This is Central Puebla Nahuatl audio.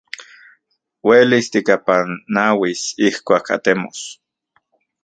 Uelis tikapanauis ijkuak atemos.